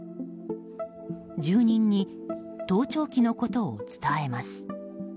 住人に盗聴器のことを伝えます。